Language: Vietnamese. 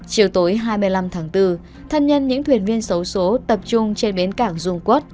chiều tối hai mươi năm tháng bốn thân nhân những thuyền viên xấu xố tập trung trên bến cảng dung quốc